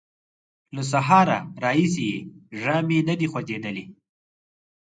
له سهاره راهیسې یې ژامې نه دې خوځېدلې!